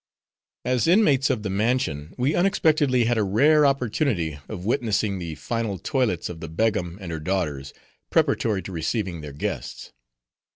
As inmates of the mansion, we unexpectedly had a rare opportunity of witnessing the final toilets of the Begum and her daughters, preparatory to receiving their guests.